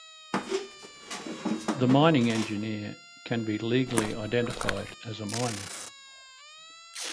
The mining engineer can be legally identified as a miner.